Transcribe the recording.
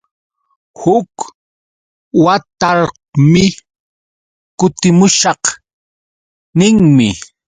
Huk watarqmi kutimushaq ninmi.